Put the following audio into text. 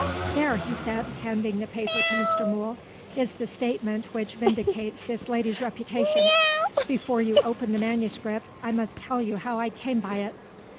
"There," he said, handing the paper to Mr. Mool, "is the statement which vindicates this lady's reputation. Before you open the manuscript I must tell you how I came by it."